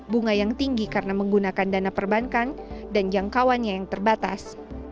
bunga yang tinggi karena menggunakan dana perbankan dan jangkauannya yang terbatas